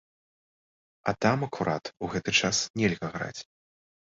А там акурат у гэты час нельга граць.